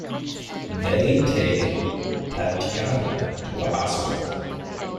They take Tatiana to a hospital.